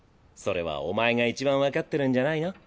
それはお前がいちばん分かってるんじゃないの？